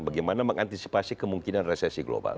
bagaimana mengantisipasi kemungkinan resesi global